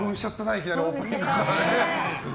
いきなりオープニングからね。